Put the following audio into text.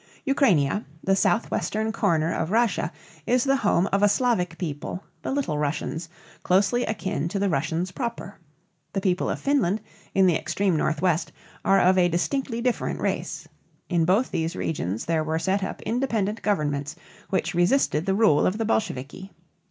Ukrainia, the southwestern corner of Russia, is the home of a Slavic people the Little Russians closely akin to the Russians proper. The people of Finland, in the extreme northwest, are of a distinctly different race. In both these regions there were set up independent governments which resisted the rule of the Bolsheviki.